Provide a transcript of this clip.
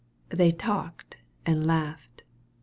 They talked and laughed.